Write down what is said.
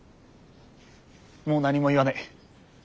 もう何も言わねえ。